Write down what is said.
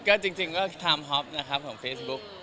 ก็จริงก็ไทม์ฮอปนะครับของเฟซบุ๊ก